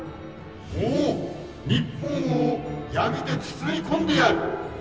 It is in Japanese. もう日本を闇で包み込んでやる！